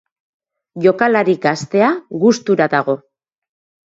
Jokalari gaztea gustura dago.